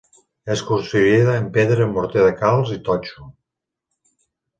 És construïda en pedra, morter de calç i totxo.